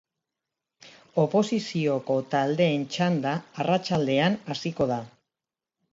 Oposizioko taldeen txanda arratsaldean hasiko da.